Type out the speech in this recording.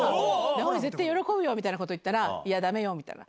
直美、絶対喜ぶよみたいなことを言ったら、いや、だめよみたいな。